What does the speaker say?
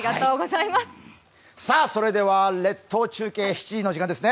それでは列島中継７時の時間ですね。